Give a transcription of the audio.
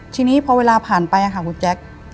ทีนี้พอเวลาผ่านไปค่ะคุณแจ๊ค